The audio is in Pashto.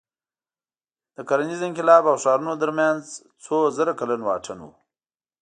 د کرنیز انقلاب او ښارونو تر منځ څو زره کلن واټن و.